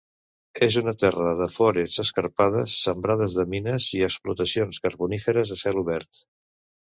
És una terra de forests escarpades sembrades de mines i explotacions carboníferes a cel obert.